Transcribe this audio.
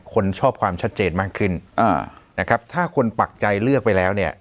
คนชอบความชัดเจนมากขึ้นอ่านะครับถ้าคนปักใจเลือกไปแล้วเนี่ย